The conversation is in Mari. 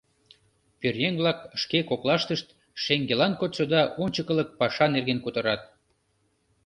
Пӧръеҥ-влак шке коклаштышт шеҥгелан кодшо да ончыкылык паша нерген кутырат.